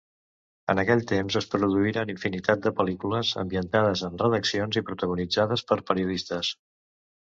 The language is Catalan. En aquell temps es produïren infinitat de pel·lícules ambientades en redaccions i protagonitzades per periodistes.